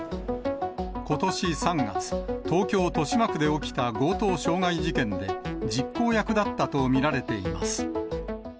ことし３月、東京・豊島区で起きた強盗傷害事件で、実行役だったと見られています。